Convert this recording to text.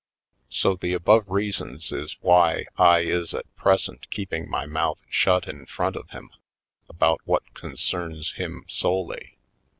So the above reasons is why I is at present keeping my mouth shut in front of him about what concerns him solely.